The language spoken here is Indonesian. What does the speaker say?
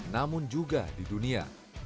namun juga di dunia